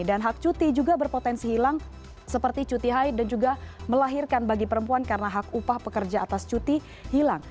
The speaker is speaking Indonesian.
dan hak cuti juga berpotensi hilang seperti cuti haid dan juga melahirkan bagi perempuan karena hak upah pekerja atas cuti hilang